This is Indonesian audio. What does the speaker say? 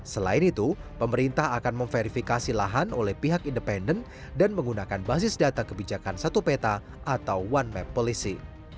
selain itu pemerintah akan memverifikasi lahan oleh pihak independen dan menggunakan basis data kebijakan satu peta atau one map policy